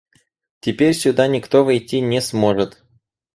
Теперь сюда никто войти не сможет.